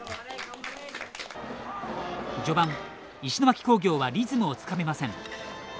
序盤、石巻工業はリズムをつかめません。